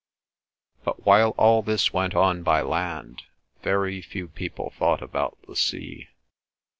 But while all this went on by land, very few people thought about the sea.